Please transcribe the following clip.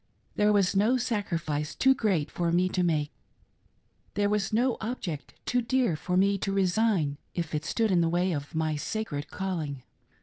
There was no sacrifice too great for me to make ; there was no object too dear for me to re sign, if it stood in the way of my sacred calling.